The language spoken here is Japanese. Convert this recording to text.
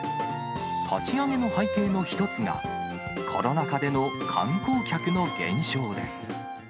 立ち上げの背景の一つが、コロナ禍での観光客の減少です。